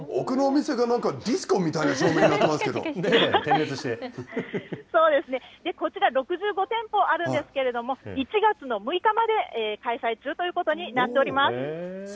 奥のお店がなんか、ディスコみたいな照明になっていますけど、そうですね、こちら６５店舗あるんですけれども、１月の６日まで開催中ということになっております。